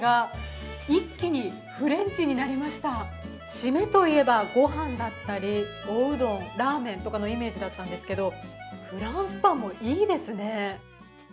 シメといえば御飯だったり、おうどん、ラーメンとかのイメージだったんですけどフランスパンもいいですね。